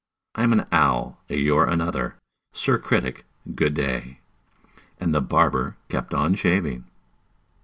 I'm an owl; you're another. Sir Critic, good day!" And the barber kept on shaving.